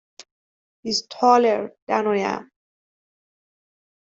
He’s taller than I am!